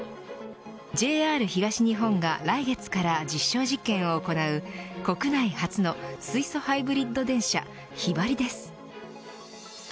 ＪＲ東日本が来月から実証実験を行う国内初の水素ハイブリッド電車ＨＹＢＡＲＩです。